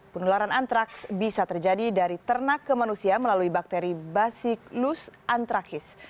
penularan antraks bisa terjadi dari ternak ke manusia melalui bakteri basiclus antraxis